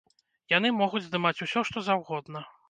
Яны могуць здымаць усё, што заўгодна.